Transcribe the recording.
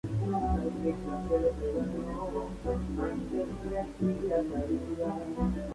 Al exterior destacan la portada y el pórtico, situados en la fachada meridional.